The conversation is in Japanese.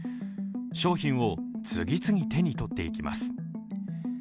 商品を次々手に取っていきます。